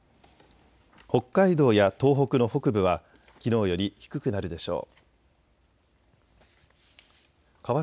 北海道や東北の北部はきのうより低くなるでしょう。